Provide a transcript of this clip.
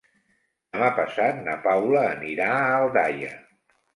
Demà passat na Paula anirà a Aldaia.